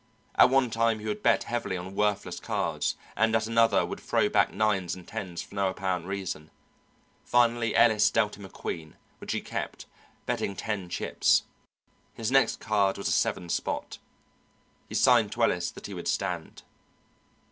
At one time he would bet heavily on worthless cards, and at another would throw back nines and tens for no apparent reason. Finally Ellis dealt him a queen, which he kept, betting ten chips. His next card was a seven spot. He signed to Ellis that he would stand.